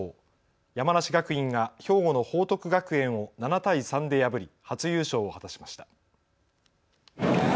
山梨学院が兵庫の報徳学園を７対３で破り初優勝を果たしました。